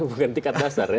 bukan tingkat dasar ya